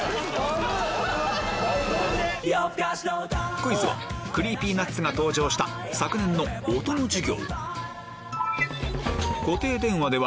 クイズはＣｒｅｅｐｙＮｕｔｓが登場した昨年の音の授業